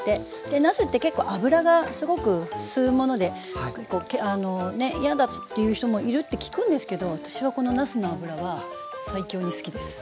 なすって結構油がすごく吸うもので嫌だっていう人もいるって聞くんですけど私はこのなすの油は最強に好きです。